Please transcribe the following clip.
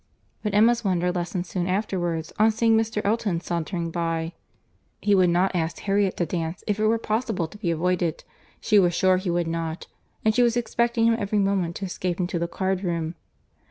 —But Emma's wonder lessened soon afterwards, on seeing Mr. Elton sauntering about. He would not ask Harriet to dance if it were possible to be avoided: she was sure he would not—and she was expecting him every moment to escape into the card room.